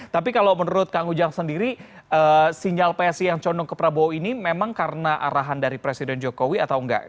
tapi kalau menurut kang ujang sendiri sinyal psi yang condong ke prabowo ini memang karena arahan dari presiden jokowi atau enggak